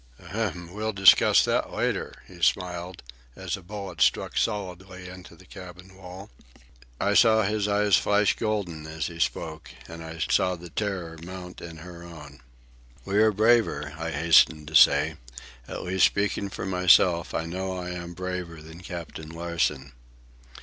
Ahem, we'll discuss that later," he smiled, as a bullet struck solidly into the cabin wall. I saw his eyes flash golden as he spoke, and I saw the terror mount in her own. "We are braver," I hastened to say. "At least, speaking for myself, I know I am braver than Captain Larsen."